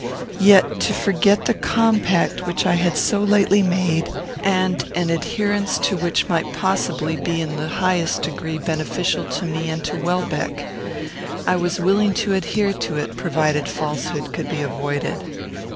Yet to forget the compact which I had so lately made, and an adherence to which might possibly be in the highest degree beneficial to me and to Welbeck; I was willing to adhere to it, provided falsehood could be avoided.